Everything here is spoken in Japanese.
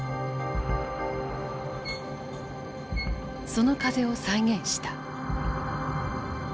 その風を再現した。